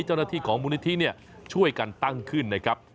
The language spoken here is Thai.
เจ้าหน้าที่ของมูลนิธิช่วยกันตั้งขึ้นนะครับ